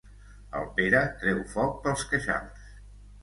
El Pere treu foc pels queixals.